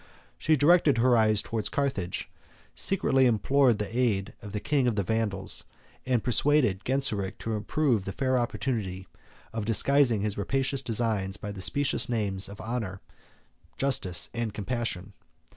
She directed her eyes towards Carthage; secretly implored the aid of the king of the Vandals; and persuaded Genseric to improve the fair opportunity of disguising his rapacious designs by the specious names of honor, justice, and compassion.